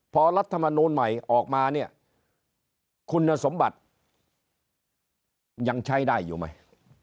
พอรัฐมนูลใหม่ออกมาเนี่ยคุณสมบัติยังใช้ได้อยู่ไหม